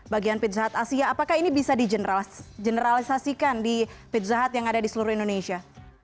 bagian pidzahat asia apakah ini bisa di generalisasikan di pidzahat yang ada di seluruh indonesia